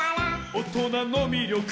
「おとなのみりょく」